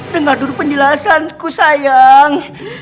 dengar dulu penjelasanku sayang